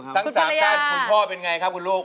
ทั้งสามสัปดาห์คุณพ่อเป็นอย่างไรครับคุณลูก